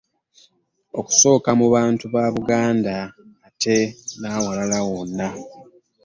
Okusooka mu bantu ba Buganda ate n'awalala wonna.